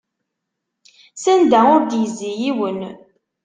S anda ur ad yezzi yiwen.